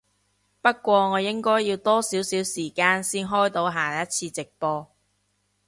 不過我應該要多少少時間先開到下一次直播